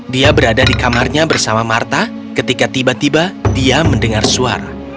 dia berada di kamarnya bersama marta ketika tiba tiba dia mendengar suara